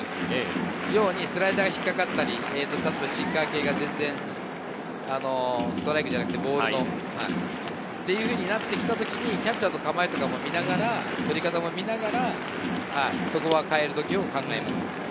それがあまりに左右にブレるようにスライダーに引っかかったり、シンカー系が全然ストライクじゃなく、ボールになってきたときにキャッチャーの構えとかも見ながら振り方も見ながらそこは変えどきを考えます。